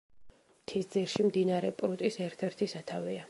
მთისძირში მდინარე პრუტის ერთ-ერთი სათავეა.